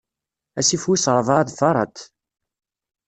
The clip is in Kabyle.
Asif wis ṛebɛa d Faṛat.